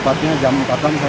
muhammad juanda bogor